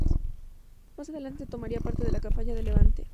Más adelante tomaría parte en la campaña de Levante.